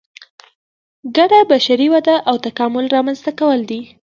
ګډه بشري وده او تکامل رامنځته کول دي.